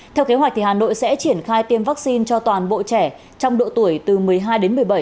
theo kế hoạch hà nội sẽ triển khai tiêm vaccine cho toàn bộ trẻ trong độ tuổi từ một mươi hai đến một mươi bảy